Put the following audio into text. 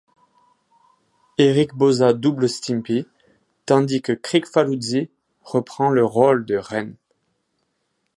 Eric Bauza double Stimpy, tandis que Kricfalusi reprend le rôle de Ren.